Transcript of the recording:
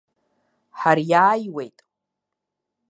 Ҳариааиуеит.